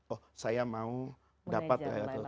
oh saya mau dapat